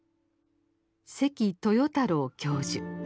関豊太郎教授。